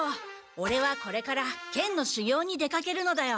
オレはこれから剣のしゅぎょうに出かけるのだよ。